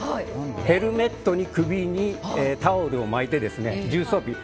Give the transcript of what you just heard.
ヘルメットに首にタオルを巻いて重装備。